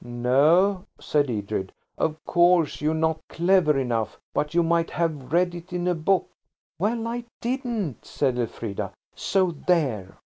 "No," said Edred. "Of course, you're not clever enough. But you might have read it in a book." "Well, I didn't," said Elfrida,–"so there!"